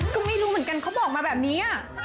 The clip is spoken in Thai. ก็ไม่รู้เหมือนกันเขาบอกมาแบบนี้